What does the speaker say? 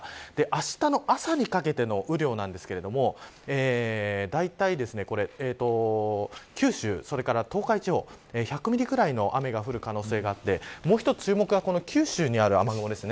あしたの朝にかけての雨量ですがだいたい九州、東海地方１００ミリくらいの雨が降る可能性があってもう一つ、注目は九州にある雨雲です。